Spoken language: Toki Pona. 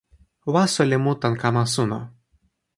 waso li mu tan kama suno.